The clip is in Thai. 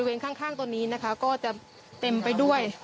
บริเวณข้างข้างตัวนี้นะคะก็จะเต็มไปด้วย